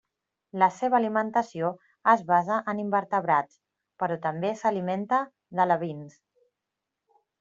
La seva alimentació es basa en invertebrats, però també s'alimenta d'alevins.